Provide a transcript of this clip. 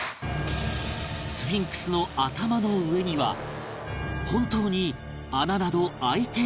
スフィンクスの頭の上には本当に穴など開いているのか？